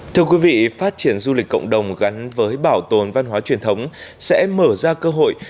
thưa quý vị phát triển du lịch cộng đồng gắn với bảo tồn văn hóa truyền thống sẽ mở ra cơ hội